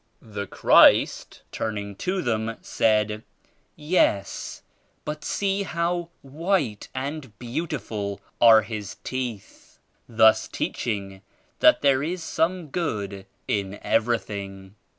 The Christ turning to them said 'Yes, but see how white and beautiful are his teeth ;'— thus teaching that there is some good in everything."